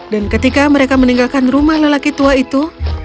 dan ketika mereka meninggalkan rumah lelaki tua itu